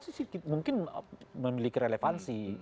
sih mungkin memiliki relevansi